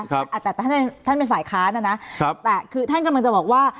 แต่ท่านท่านเป็นฝ่ายค้านนะครับแต่คือท่านกำลังจะบอกว่า